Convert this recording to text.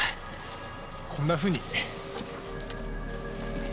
こんなふうに。